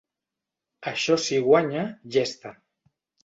Això si guanya, llesta!